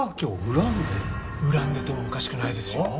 恨んでてもおかしくないですよ。